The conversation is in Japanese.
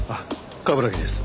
冠城です。